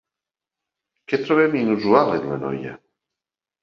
Què trobem inusual en la noia?